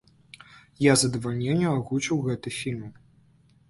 Я з задавальненнем агучыў гэты фільм.